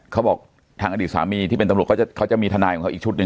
เขาบอกทางอดีตสามีที่เป็นตำรวจเขาจะมีทนายของเขาอีกชุดหนึ่ง